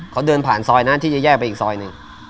เขาเดินผ่านซอยนะที่จะแยกไปอีกซอยหนึ่ง